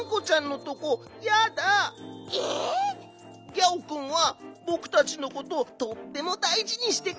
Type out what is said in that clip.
ギャオくんはぼくたちのこととってもだいじにしてくれるんだ。